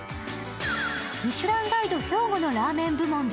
ミシュランガイド兵庫のラーメン部門で